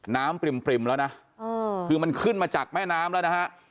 ปริ่มแล้วนะคือมันขึ้นมาจากแม่น้ำแล้วนะฮะ